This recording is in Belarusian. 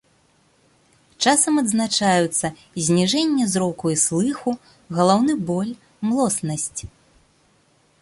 Часам адзначаюцца зніжэнне зроку і слыху, галаўны боль, млоснасць.